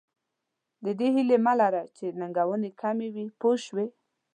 د دې هیله مه لره چې ننګونې کم وي پوه شوې!.